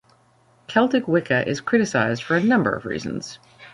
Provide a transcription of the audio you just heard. Celtic Wicca is criticized for a number of reasons.